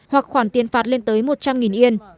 hoặc khoản tiền phạt lên tới một trăm linh yên